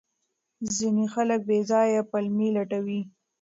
ځینې خلک بې ځایه پلمې لټوي.